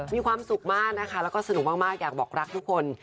มีความสุขมากนะคะแล้วก็สนุกมากอยากบอกรักทุกคน